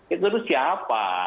itu harus siapa